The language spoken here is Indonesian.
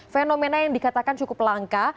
fenomena yang dikatakan cukup langka